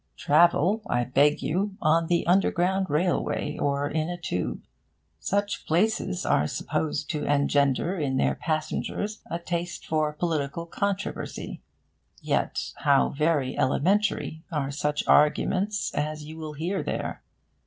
Travel, I beg you, on the Underground Railway, or in a Tube. Such places are supposed to engender in their passengers a taste for political controversy. Yet how very elementary are such arguments as you will hear there!